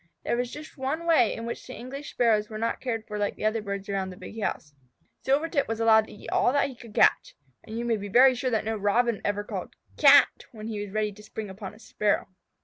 There was just one way in which the English Sparrows were not cared for like other birds around the big house. Silvertip was allowed to eat all that he could catch. And you may be very sure that no Robin ever called "Cat!" when he was ready to spring upon a Sparrow.